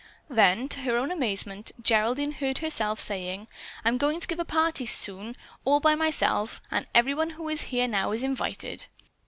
Then, to her own amazement, Geraldine heard herself saying: "I'm going to give a party soon all by myself, and everyone who is here now is invited."